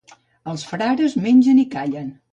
Els frares mengen i callen.